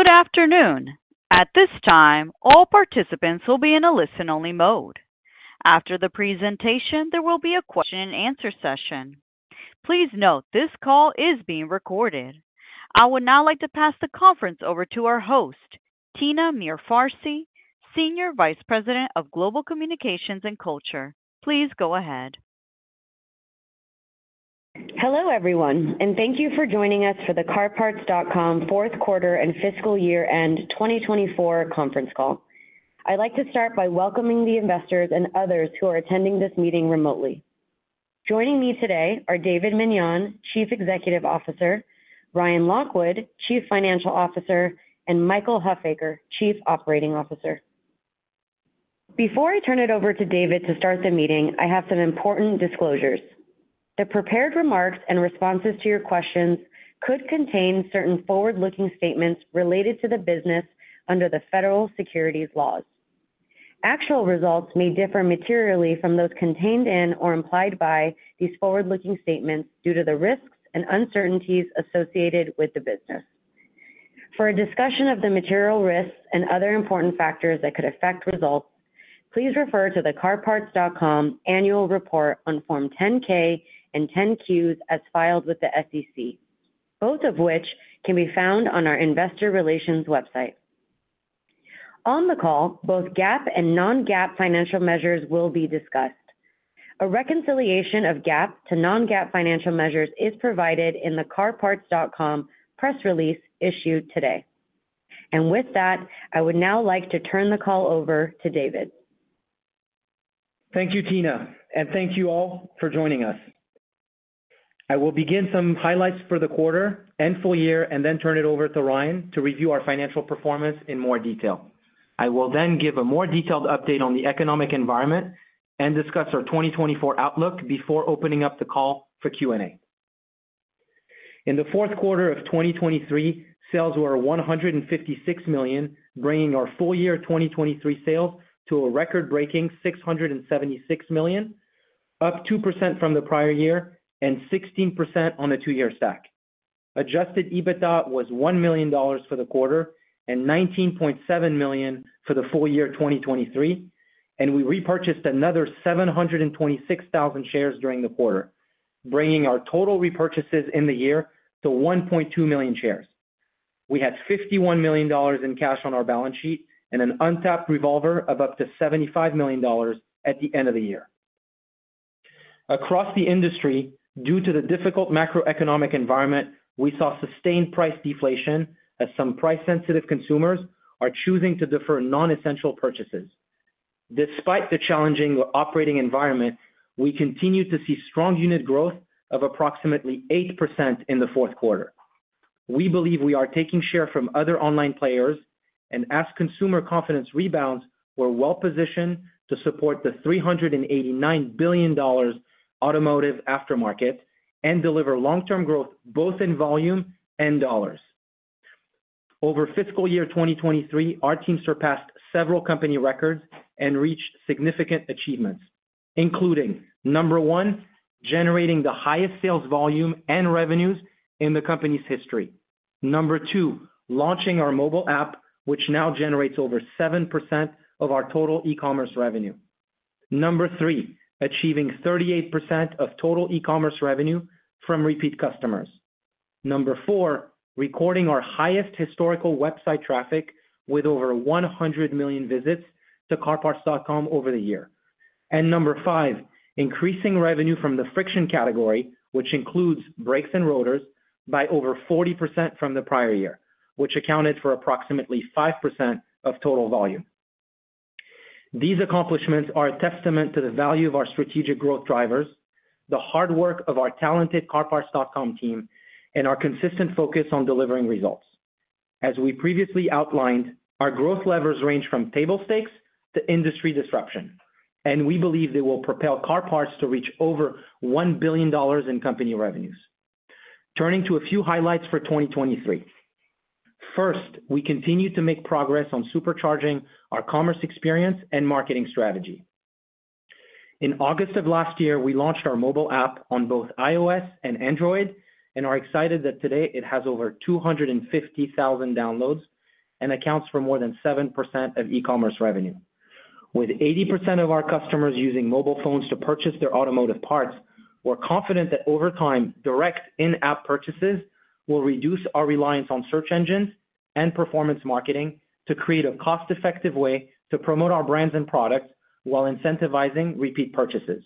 Good afternoon. At this time, all participants will be in a listen-only mode. After the presentation, there will be a question-and-answer session. Please note this call is being recorded. I would now like to pass the conference over to our host, Tina Mirfarsi, Senior Vice President of Global Communications and Culture. Please go ahead. Hello everyone, and thank you for joining us for the CarParts.com fourth quarter and fiscal year-end 2024 conference call. I'd like to start by welcoming the investors and others who are attending this meeting remotely. Joining me today are David Meniane, Chief Executive Officer, Ryan Lockwood, Chief Financial Officer, and Michael Huffaker, Chief Operating Officer. Before I turn it over to David to start the meeting, I have some important disclosures. The prepared remarks and responses to your questions could contain certain forward-looking statements related to the business under the federal securities laws. Actual results may differ materially from those contained in or implied by these forward-looking statements due to the risks and uncertainties associated with the business. For a discussion of the material risks and other important factors that could affect results, please refer to the CarParts.com annual report on Form 10-K and Form 10-Qs as filed with the SEC, both of which can be found on our investor relations website. On the call, both GAAP and non-GAAP financial measures will be discussed. A reconciliation of GAAP to non-GAAP financial measures is provided in the CarParts.com press release issued today. With that, I would now like to turn the call over to David. Thank you, Tina, and thank you all for joining us. I will begin some highlights for the quarter and full year and then turn it over to Ryan to review our financial performance in more detail. I will then give a more detailed update on the economic environment and discuss our 2024 outlook before opening up the call for Q&A. In the fourth quarter of 2023, sales were $156 million, bringing our full year 2023 sales to a record-breaking $676 million, up 2% from the prior year and 16% on the two-year stack. Adjusted EBITDA was $1 million for the quarter and $19.7 million for the full year 2023, and we repurchased another 726,000 shares during the quarter, bringing our total repurchases in the year to 1.2 million shares. We had $51 million in cash on our balance sheet and an untapped revolver of up to $75 million at the end of the year. Across the industry, due to the difficult macroeconomic environment, we saw sustained price deflation as some price-sensitive consumers are choosing to defer non-essential purchases. Despite the challenging operating environment, we continue to see strong unit growth of approximately 8% in the fourth quarter. We believe we are taking share from other online players and as consumer confidence rebounds, we're well-positioned to support the $389 billion automotive aftermarket and deliver long-term growth both in volume and dollars. Over fiscal year 2023, our team surpassed several company records and reached significant achievements, including: Number one, generating the highest sales volume and revenues in the company's history. Number two, launching our mobile app, which now generates over 7% of our total e-commerce revenue. 3, achieving 38% of total e-commerce revenue from repeat customers. 4, recording our highest historical website traffic with over 100 million visits to CarParts.com over the year. And 5, increasing revenue from the friction category, which includes brakes and rotors, by over 40% from the prior year, which accounted for approximately 5% of total volume. These accomplishments are a testament to the value of our strategic growth drivers, the hard work of our talented CarParts.com team, and our consistent focus on delivering results. As we previously outlined, our growth levers range from table stakes to industry disruption, and we believe they will propel CarParts to reach over $1 billion in company revenues. Turning to a few highlights for 2023. First, we continue to make progress on supercharging our commerce experience and marketing strategy. In August of last year, we launched our mobile app on both iOS and Android and are excited that today it has over 250,000 downloads and accounts for more than 7% of e-commerce revenue. With 80% of our customers using mobile phones to purchase their automotive parts, we're confident that over time direct in-app purchases will reduce our reliance on search engines and performance marketing to create a cost-effective way to promote our brands and products while incentivizing repeat purchases.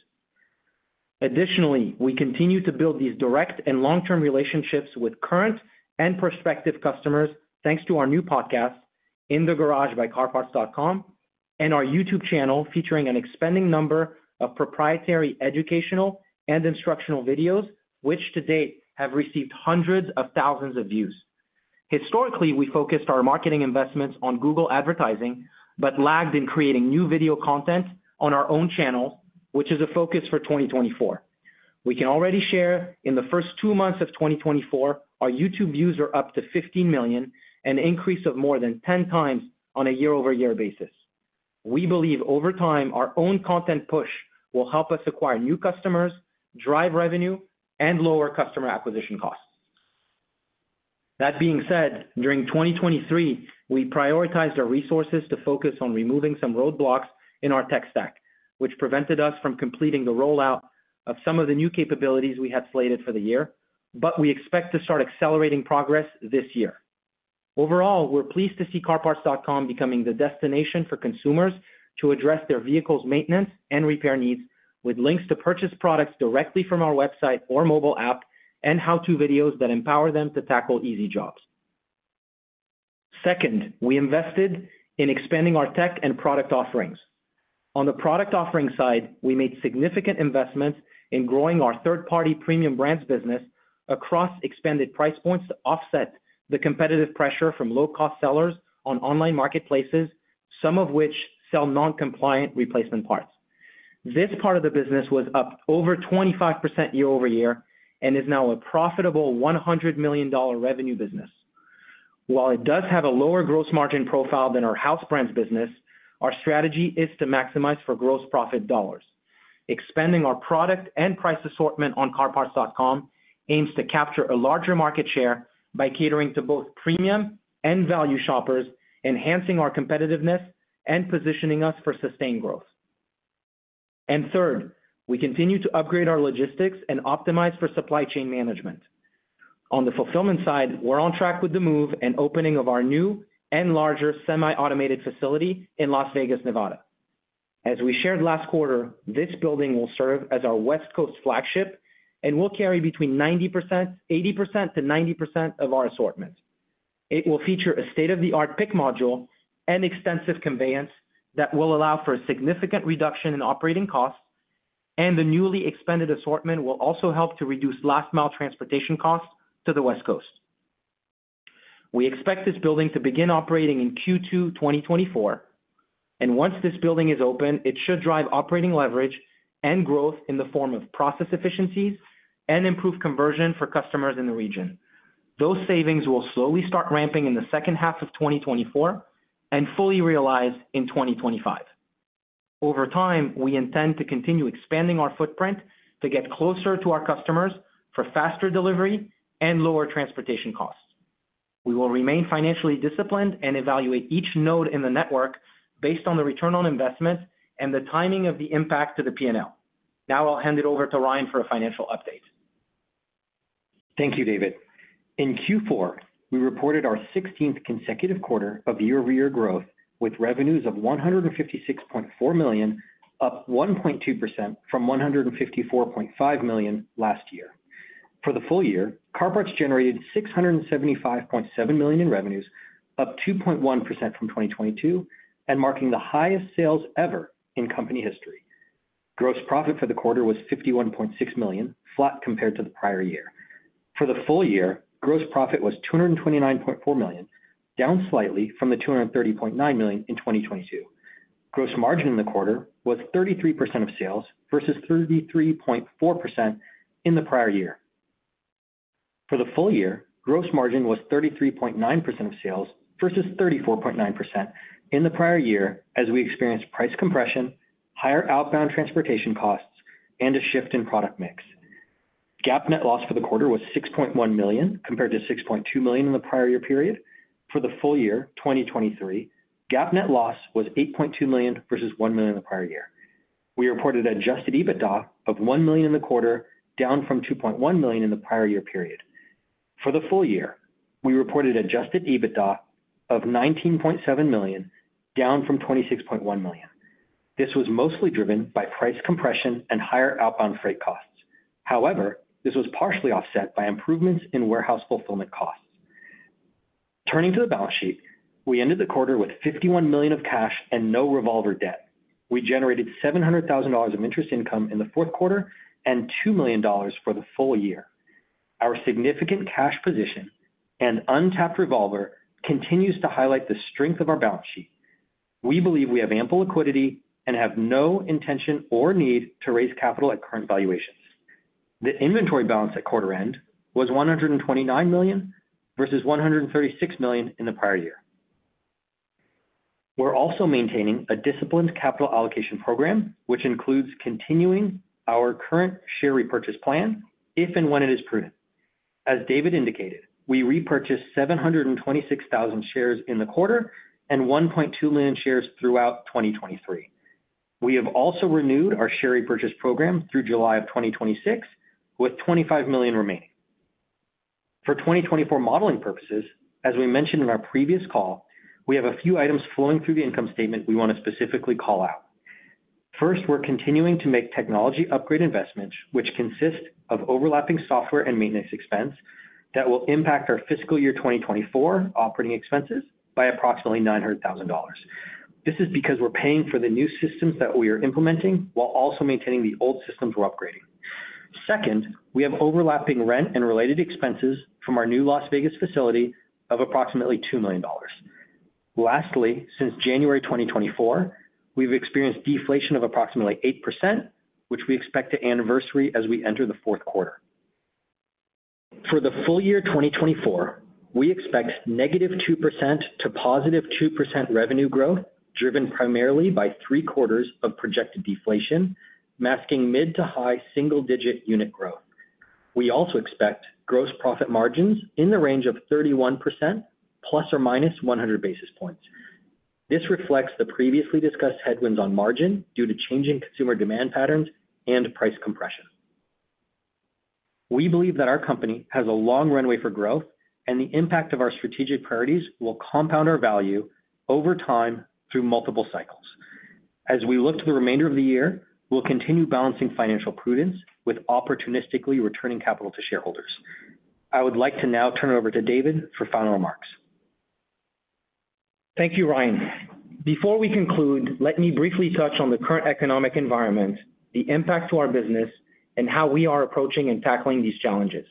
Additionally, we continue to build these direct and long-term relationships with current and prospective customers thanks to our new podcast, "In the Garage" by CarParts.com, and our YouTube channel featuring an expanding number of proprietary educational and instructional videos, which to date have received hundreds of thousands of views. Historically, we focused our marketing investments on Google advertising but lagged in creating new video content on our own channels, which is a focus for 2024. We can already share in the first two months of 2024 our YouTube views are up to 15 million, an increase of more than 10 times on a year-over-year basis. We believe over time our own content push will help us acquire new customers, drive revenue, and lower customer acquisition costs. That being said, during 2023 we prioritized our resources to focus on removing some roadblocks in our tech stack, which prevented us from completing the rollout of some of the new capabilities we had slated for the year, but we expect to start accelerating progress this year. Overall, we're pleased to see CarParts.com becoming the destination for consumers to address their vehicles' maintenance and repair needs with links to purchase products directly from our website or mobile app and how-to videos that empower them to tackle easy jobs. Second, we invested in expanding our tech and product offerings. On the product offering side, we made significant investments in growing our third-party premium brands business across expanded price points to offset the competitive pressure from low-cost sellers on online marketplaces, some of which sell non-compliant replacement parts. This part of the business was up over 25% year-over-year and is now a profitable $100 million revenue business. While it does have a lower gross margin profile than our house brands business, our strategy is to maximize for gross profit dollars. Expanding our product and price assortment on CarParts.com aims to capture a larger market share by catering to both premium and value shoppers, enhancing our competitiveness and positioning us for sustained growth. Third, we continue to upgrade our logistics and optimize for supply chain management. On the fulfillment side, we're on track with the move and opening of our new and larger semi-automated facility in Las Vegas, Nevada. As we shared last quarter, this building will serve as our West Coast flagship and will carry between 80%-90% of our assortment. It will feature a state-of-the-art pick module and extensive conveyance that will allow for a significant reduction in operating costs, and the newly expanded assortment will also help to reduce last-mile transportation costs to the West Coast. We expect this building to begin operating in Q2 2024, and once this building is open, it should drive operating leverage and growth in the form of process efficiencies and improved conversion for customers in the region. Those savings will slowly start ramping in the second half of 2024 and fully realize in 2025. Over time, we intend to continue expanding our footprint to get closer to our customers for faster delivery and lower transportation costs. We will remain financially disciplined and evaluate each node in the network based on the return on investment and the timing of the impact to the P&L. Now I'll hand it over to Ryan for a financial update. Thank you, David. In Q4, we reported our 16th consecutive quarter of year-over-year growth with revenues of $156.4 million, up 1.2% from $154.5 million last year. For the full year, CarParts generated $675.7 million in revenues, up 2.1% from 2022, and marking the highest sales ever in company history. Gross profit for the quarter was $51.6 million, flat compared to the prior year. For the full year, gross profit was $229.4 million, down slightly from the $230.9 million in 2022. Gross margin in the quarter was 33% of sales versus 33.4% in the prior year. For the full year, gross margin was 33.9% of sales versus 34.9% in the prior year as we experienced price compression, higher outbound transportation costs, and a shift in product mix. GAAP net loss for the quarter was $6.1 million compared to $6.2 million in the prior year period. For the full year, 2023, GAAP net loss was $8.2 million versus $1 million the prior year. We reported Adjusted EBITDA of $1 million in the quarter, down from $2.1 million in the prior year period. For the full year, we reported Adjusted EBITDA of $19.7 million, down from $26.1 million. This was mostly driven by price compression and higher outbound freight costs. However, this was partially offset by improvements in warehouse fulfillment costs. Turning to the balance sheet, we ended the quarter with $51 million of cash and no revolver debt. We generated $700,000 of interest income in the fourth quarter and $2 million for the full year. Our significant cash position and untapped revolver continues to highlight the strength of our balance sheet. We believe we have ample liquidity and have no intention or need to raise capital at current valuations. The inventory balance at quarter-end was $129 million versus $136 million in the prior year. We're also maintaining a disciplined capital allocation program, which includes continuing our current share repurchase plan if and when it is prudent. As David indicated, we repurchased 726,000 shares in the quarter and 1.2 million shares throughout 2023. We have also renewed our share repurchase program through July of 2026 with 25 million remaining. For 2024 modeling purposes, as we mentioned in our previous call, we have a few items flowing through the income statement we want to specifically call out. First, we're continuing to make technology upgrade investments, which consist of overlapping software and maintenance expense that will impact our fiscal year 2024 operating expenses by approximately $900,000. This is because we're paying for the new systems that we are implementing while also maintaining the old systems we're upgrading. Second, we have overlapping rent and related expenses from our new Las Vegas facility of approximately $2 million. Lastly, since January 2024, we've experienced deflation of approximately 8%, which we expect to anniversary as we enter the fourth quarter. For the full year 2024, we expect -2% to +2% revenue growth driven primarily by three quarters of projected deflation, masking mid- to high single-digit unit growth. We also expect gross profit margins in the range of 31% ±100 basis points. This reflects the previously discussed headwinds on margin due to changing consumer demand patterns and price compression. We believe that our company has a long runway for growth, and the impact of our strategic priorities will compound our value over time through multiple cycles. As we look to the remainder of the year, we'll continue balancing financial prudence with opportunistically returning capital to shareholders. I would like to now turn it over to David for final remarks. Thank you, Ryan. Before we conclude, let me briefly touch on the current economic environment, the impact to our business, and how we are approaching and tackling these challenges.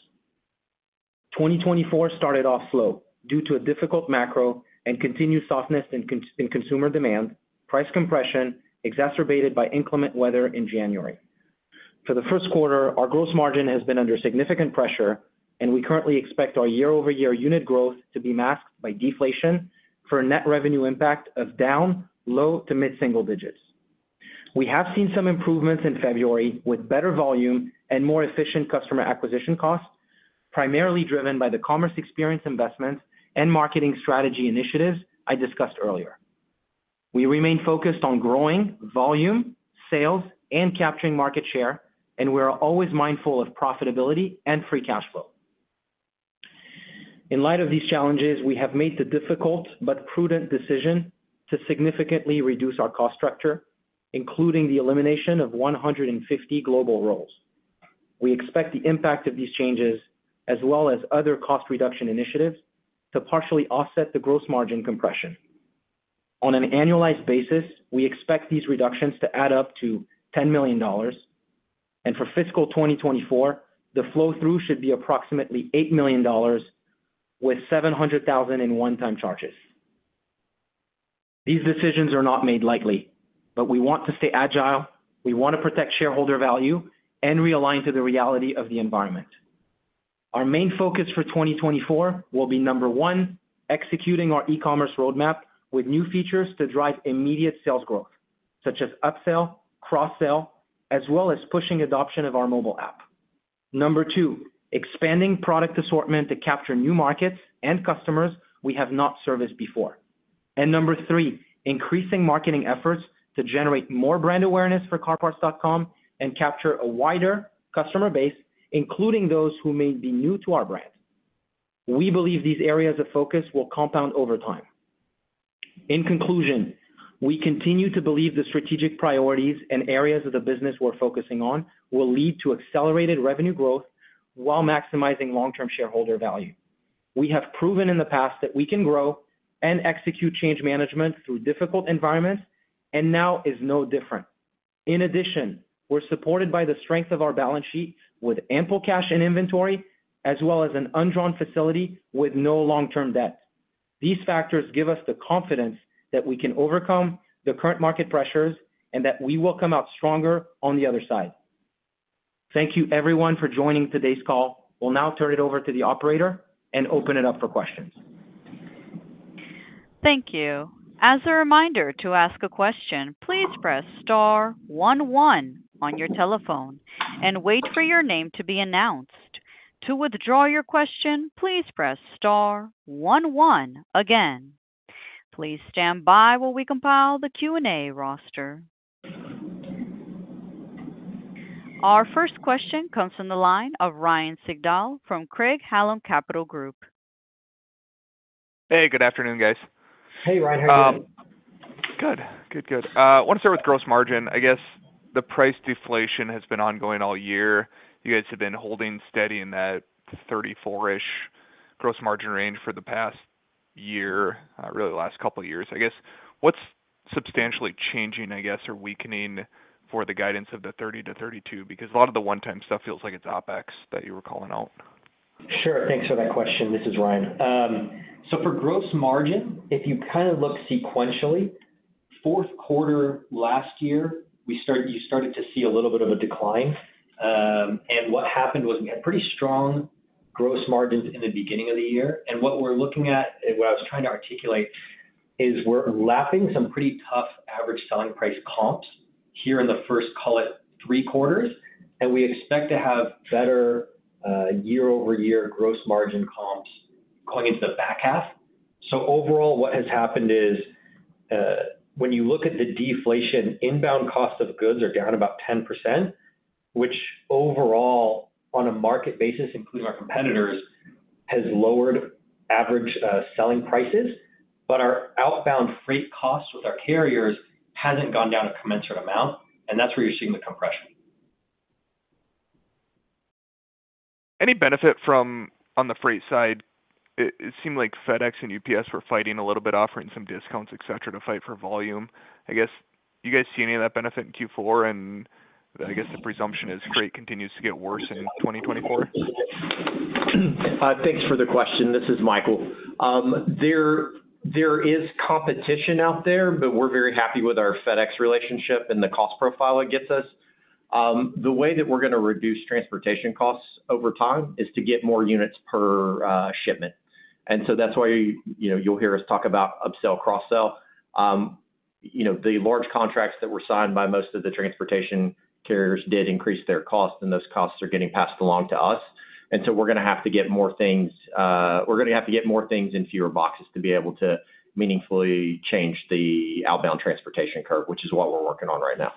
2024 started off slow due to a difficult macro and continued softness in consumer demand, price compression exacerbated by inclement weather in January. For the first quarter, our gross margin has been under significant pressure, and we currently expect our year-over-year unit growth to be masked by deflation for a net revenue impact of down low to mid-single digits. We have seen some improvements in February with better volume and more efficient customer acquisition costs, primarily driven by the commerce experience investments and marketing strategy initiatives I discussed earlier. We remain focused on growing volume, sales, and capturing market share, and we are always mindful of profitability and free cash flow. In light of these challenges, we have made the difficult but prudent decision to significantly reduce our cost structure, including the elimination of 150 global roles. We expect the impact of these changes, as well as other cost reduction initiatives, to partially offset the gross margin compression. On an annualized basis, we expect these reductions to add up to $10 million, and for fiscal 2024, the flow-through should be approximately $8 million with $700,000 in one-time charges. These decisions are not made lightly, but we want to stay agile. We want to protect shareholder value and realign to the reality of the environment. Our main focus for 2024 will be, number one, executing our e-commerce roadmap with new features to drive immediate sales growth, such as upsell, cross-sell, as well as pushing adoption of our mobile app. Number two, expanding product assortment to capture new markets and customers we have not serviced before. And number three, increasing marketing efforts to generate more brand awareness for CarParts.com and capture a wider customer base, including those who may be new to our brand. We believe these areas of focus will compound over time. In conclusion, we continue to believe the strategic priorities and areas of the business we're focusing on will lead to accelerated revenue growth while maximizing long-term shareholder value. We have proven in the past that we can grow and execute change management through difficult environments, and now is no different. In addition, we're supported by the strength of our balance sheet with ample cash and inventory, as well as an undrawn facility with no long-term debt. These factors give us the confidence that we can overcome the current market pressures and that we will come out stronger on the other side. Thank you, everyone, for joining today's call. We'll now turn it over to the operator and open it up for questions. Thank you. As a reminder to ask a question, please press star 11 on your telephone and wait for your name to be announced. To withdraw your question, please press star 11 again. Please stand by while we compile the Q&A roster. Our first question comes from the line of Ryan Sigdahl from Craig-Hallum Capital Group. Hey, good afternoon, guys. Hey, Ryan. How are you doing? Good. Good, good. I want to start with gross margin. I guess the price deflation has been ongoing all year. You guys have been holding steady in that 34%-ish gross margin range for the past year, really last couple of years. I guess what's substantially changing, I guess, or weakening for the guidance of the 30%-32%? Because a lot of the one-time stuff feels like it's OpEx that you were calling out. Sure. Thanks for that question. This is Ryan. So for gross margin, if you kind of look sequentially, fourth quarter last year, you started to see a little bit of a decline. What happened was we had pretty strong gross margins in the beginning of the year. What we're looking at, and what I was trying to articulate, is we're lapping some pretty tough average selling price comps here in the first, call it, 3/4. We expect to have better year-over-year gross margin comps going into the back half. So overall, what has happened is when you look at the deflation, inbound cost of goods are down about 10%, which overall, on a market basis, including our competitors, has lowered average selling prices. But our outbound freight costs with our carriers haven't gone down a commensurate amount, and that's where you're seeing the compression. Any benefit from on the freight side? It seemed like FedEx and UPS were fighting a little bit, offering some discounts, etc., to fight for volume. I guess you guys see any of that benefit in Q4, and I guess the presumption is freight continues to get worse in 2024? Thanks for the question. This is Michael. There is competition out there, but we're very happy with our FedEx relationship and the cost profile it gets us. The way that we're going to reduce transportation costs over time is to get more units per shipment. And so that's why you'll hear us talk about upsell, cross-sell. The large contracts that were signed by most of the transportation carriers did increase their costs, and those costs are getting passed along to us. And so we're going to have to get more things in fewer boxes to be able to meaningfully change the outbound transportation curve, which is what we're working on right now.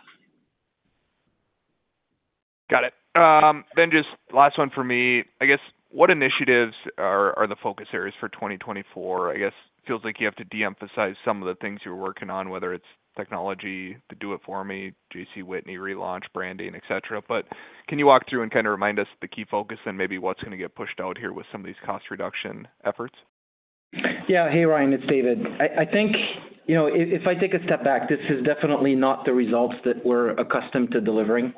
Got it. Then just last one for me. I guess what initiatives are the focus areas for 2024? I guess it feels like you have to deemphasize some of the things you were working on, whether it's technology, the Do It For Me, JC Whitney, relaunch, branding, etc. But can you walk through and kind of remind us the key focus and maybe what's going to get pushed out here with some of these cost reduction efforts? Yeah. Hey, Ryan. It's David. I think if I take a step back, this is definitely not the results that we're accustomed to delivering.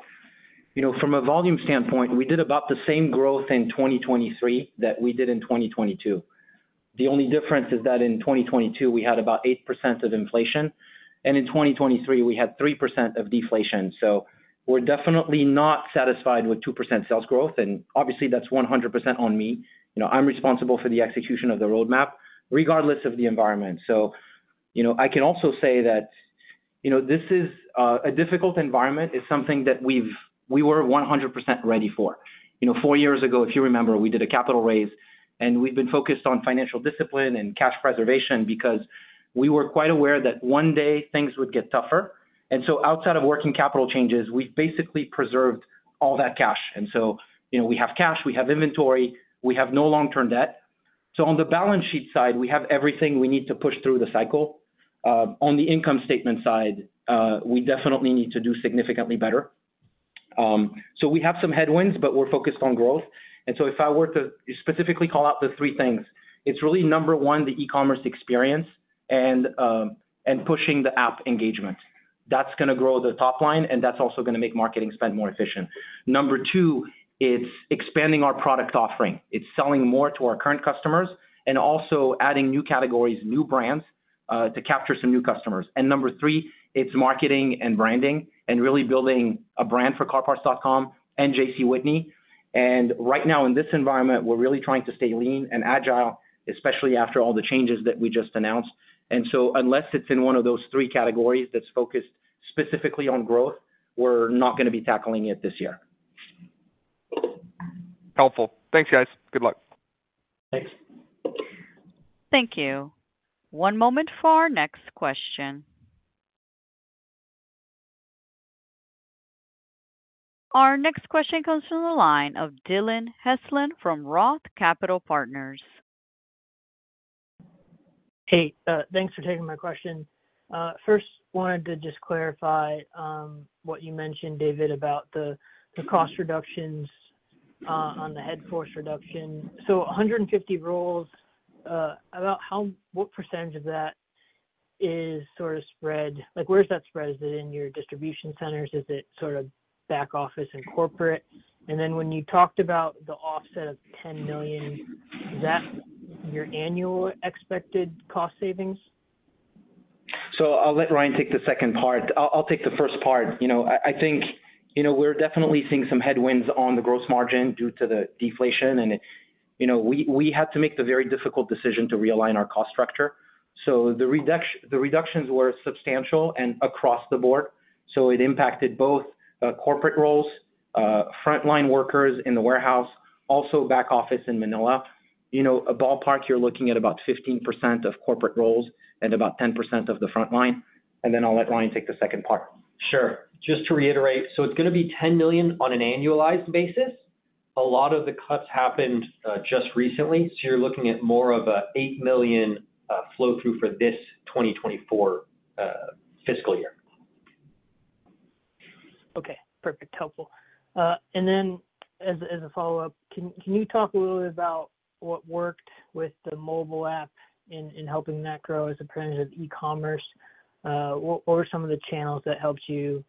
From a volume standpoint, we did about the same growth in 2023 that we did in 2022. The only difference is that in 2022, we had about 8% of inflation, and in 2023, we had 3% of deflation. So we're definitely not satisfied with 2% sales growth. And obviously, that's 100% on me. I'm responsible for the execution of the roadmap, regardless of the environment. So I can also say that this is a difficult environment. It's something that we were 100% ready for. 4 years ago, if you remember, we did a capital raise, and we've been focused on financial discipline and cash preservation because we were quite aware that one day things would get tougher. And so outside of working capital changes, we've basically preserved all that cash. And so we have cash. We have inventory. We have no long-term debt. So on the balance sheet side, we have everything we need to push through the cycle. On the income statement side, we definitely need to do significantly better. So we have some headwinds, but we're focused on growth. And so if I were to specifically call out the three things, it's really, number one, the e-commerce experience and pushing the app engagement. That's going to grow the top line, and that's also going to make marketing spend more efficient. Number two, it's expanding our product offering. It's selling more to our current customers and also adding new categories, new brands to capture some new customers. And number three, it's marketing and branding and really building a brand for CarParts.com and JC Whitney. Right now, in this environment, we're really trying to stay lean and agile, especially after all the changes that we just announced. Unless it's in one of those three categories that's focused specifically on growth, we're not going to be tackling it this year. Helpful. Thanks, guys. Good luck. Thanks. Thank you. One moment for our next question. Our next question comes from the line of Dylan Hesslein from Roth Capital Partners. Hey, thanks for taking my question. First, wanted to just clarify what you mentioned, David, about the cost reductions on the headcount reduction. So 150 roles, about what percentage of that is sort of spread? Where's that spread? Is it in your distribution centers? Is it sort of back office and corporate? And then when you talked about the offset of $10 million, is that your annual expected cost savings? So I'll let Ryan take the second part. I'll take the first part. I think we're definitely seeing some headwinds on the gross margin due to the deflation, and we had to make the very difficult decision to realign our cost structure. So the reductions were substantial and across the board. So it impacted both corporate roles, frontline workers in the warehouse, also back office in Manila. A ballpark, you're looking at about 15% of corporate roles and about 10% of the frontline. And then I'll let Ryan take the second part. Sure. Just to reiterate, so it's going to be $10 million on an annualized basis. A lot of the cuts happened just recently, so you're looking at more of an $8 million flow-through for this 2024 fiscal year. Okay. Perfect. Helpful. And then as a follow-up, can you talk a little bit about what worked with the mobile app in helping that grow as a branch of e-commerce? What were some of the channels that helped you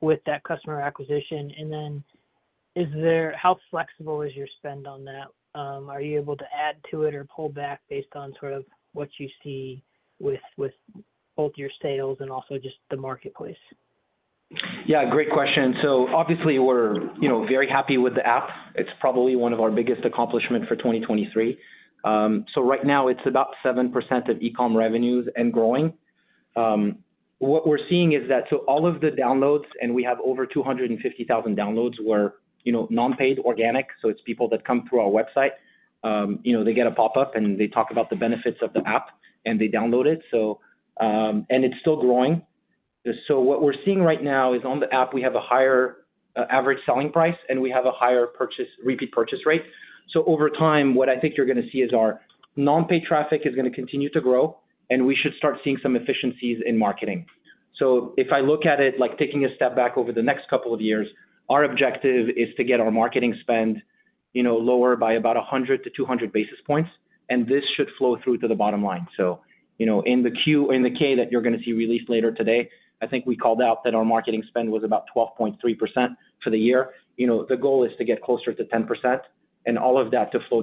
with that customer acquisition? And then how flexible is your spend on that? Are you able to add to it or pull back based on sort of what you see with both your sales and also just the marketplace? Yeah, great question. So obviously, we're very happy with the app. It's probably one of our biggest accomplishments for 2023. So right now, it's about 7% of e-com revenues and growing. What we're seeing is that so all of the downloads, and we have over 250,000 downloads, were nonpaid, organic. So it's people that come through our website. They get a pop-up, and they talk about the benefits of the app, and they download it. And it's still growing. So what we're seeing right now is on the app, we have a higher average selling price, and we have a higher repeat purchase rate. So over time, what I think you're going to see is our nonpaid traffic is going to continue to grow, and we should start seeing some efficiencies in marketing. If I look at it, taking a step back over the next couple of years, our objective is to get our marketing spend lower by about 100-200 basis points, and this should flow through to the bottom line. In the K that you're going to see released later today, I think we called out that our marketing spend was about 12.3% for the year. The goal is to get closer to 10% and all of that to flow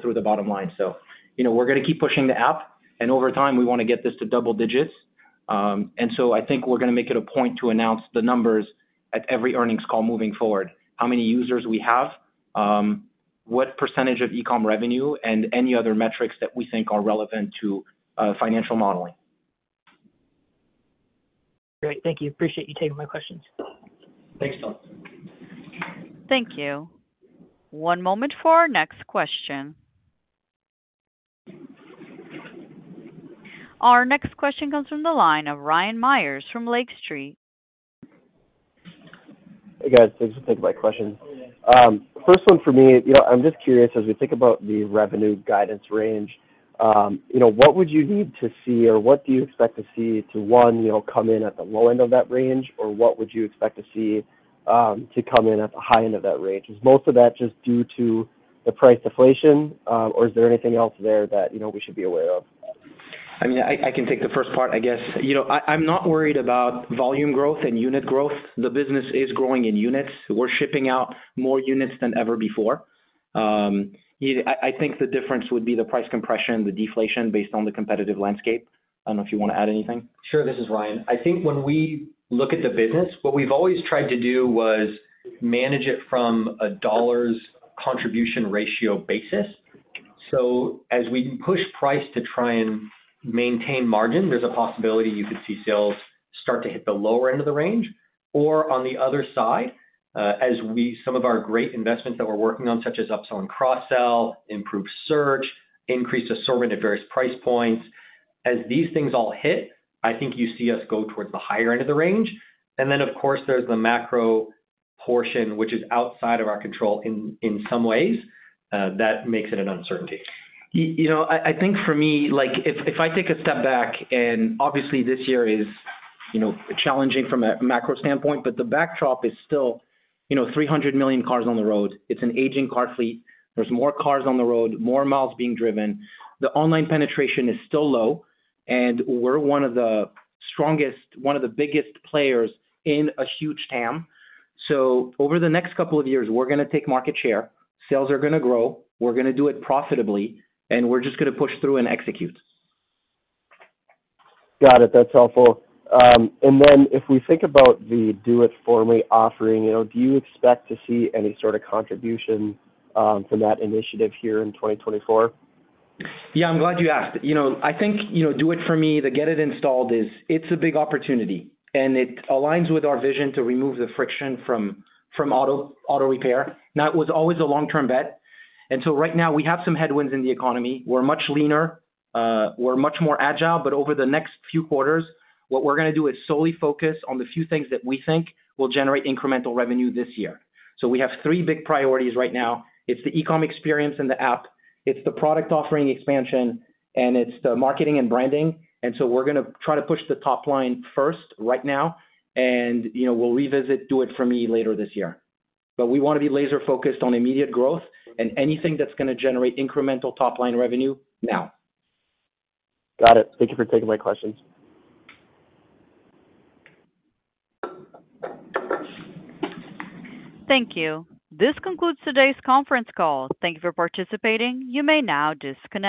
through the bottom line. We're going to keep pushing the app, and over time, we want to get this to double digits. I think we're going to make it a point to announce the numbers at every earnings call moving forward: how many users we have, what percentage of e-com revenue, and any other metrics that we think are relevant to financial modeling. Great. Thank you. Appreciate you taking my questions. Thanks, Tom. Thank you. One moment for our next question. Our next question comes from the line of Ryan Meyers from Lake Street. Hey, guys. Thanks for taking my question. First one for me, I'm just curious, as we think about the revenue guidance range, what would you need to see, or what do you expect to see to, one, come in at the low end of that range, or what would you expect to see to come in at the high end of that range? Is most of that just due to the price deflation, or is there anything else there that we should be aware of? I mean, I can take the first part, I guess. I'm not worried about volume growth and unit growth. The business is growing in units. We're shipping out more units than ever before. I think the difference would be the price compression, the deflation, based on the competitive landscape. I don't know if you want to add anything. Sure. This is Ryan. I think when we look at the business, what we've always tried to do was manage it from a dollars contribution ratio basis. So as we push price to try and maintain margin, there's a possibility you could see sales start to hit the lower end of the range. Or on the other side, as some of our great investments that we're working on, such as upsell and cross-sell, improved search, increased assortment at various price points, as these things all hit, I think you see us go towards the higher end of the range. And then, of course, there's the macro portion, which is outside of our control in some ways. That makes it an uncertainty. I think for me, if I take a step back, and obviously, this year is challenging from a macro standpoint, but the backdrop is still 300 million cars on the road. It's an aging car fleet. There's more cars on the road, more miles being driven. The online penetration is still low, and we're one of the strongest, one of the biggest players in a huge TAM. So over the next couple of years, we're going to take market share. Sales are going to grow. We're going to do it profitably, and we're just going to push through and execute. Got it. That's helpful. And then if we think about the Do It For Me offering, do you expect to see any sort of contribution from that initiative here in 2024? Yeah, I'm glad you asked. I think Do It For Me, the get it installed, it's a big opportunity, and it aligns with our vision to remove the friction from auto repair. That was always a long-term bet. And so right now, we have some headwinds in the economy. We're much leaner. We're much more agile, but over the next few quarters, what we're going to do is solely focus on the few things that we think will generate incremental revenue this year. So we have three big priorities right now. It's the e-com experience and the app. It's the product offering expansion, and it's the marketing and branding. And so we're going to try to push the top line first right now, and we'll revisit Do It For Me later this year. We want to be laser-focused on immediate growth and anything that's going to generate incremental top line revenue now. Got it. Thank you for taking my questions. Thank you. This concludes today's conference call. Thank you for participating. You may now disconnect.